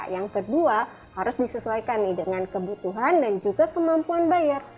yang kedua harus disesuaikan nih dengan kebutuhan dan juga kemampuan bayar